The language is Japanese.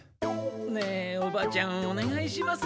ねえおばちゃんおねがいしますよ。